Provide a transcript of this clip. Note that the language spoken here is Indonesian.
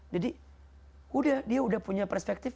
jadi udah dia udah punya perspektif